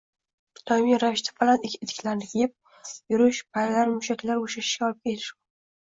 Doimiy ravishda baland etiklarni kiyib yurish paylar, mushaklar bo‘shashiga olib kelishi mumkin